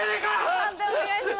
判定お願いします。